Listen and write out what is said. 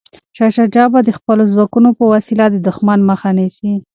شاه شجاع به د خپلو ځواکونو په وسیله د دښمن مخه نیسي.